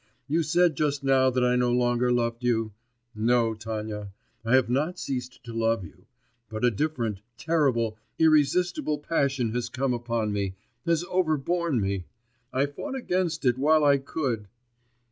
You said just now that I no longer loved you.... No, Tanya, I have not ceased to love you, but a different, terrible, irresistible passion has come upon me, has overborne me. I fought against it while I could....